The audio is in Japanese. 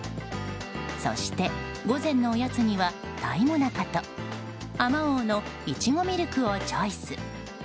そして、午前のおやつには鯛もなかとあまおうのいちごミルクをチョイス。